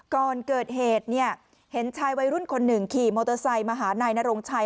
ก่อนเกิดเหตุเห็นชายวัยรุ่นคนหนึ่งขี่มอเตอร์ไซค์มาหานายนโรงชัย